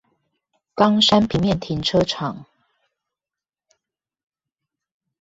岡山平面停車場